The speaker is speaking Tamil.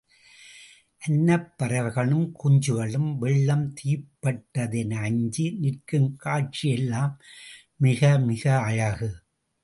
அன்னப் பறவைகளும் குஞ்சுகளும் வெள்ளம் தீப்பட்டது என அஞ்சி நிற்கும் காட்சியெல்லாம் மிக மிக அழகு.